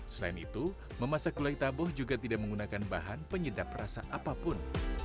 selain itu memasak gulai taboh juga tidak menggunakan bahan penyedap rasa apapun